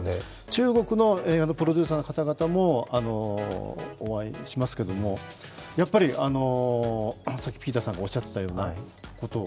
中国の映画のプロデューサーの方々もお会いしますが、やっぱりさっきピーターさんがおっしゃってたようなことを